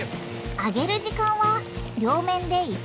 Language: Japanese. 揚げる時間は両面で１分半ほど。